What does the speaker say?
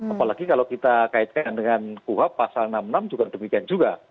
apalagi kalau kita kaitkan dengan kuhab pasal enam puluh enam juga demikian juga